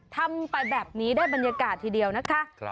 ทำไปแบบนี้ได้บรรยากาศทีเดียวนะคะ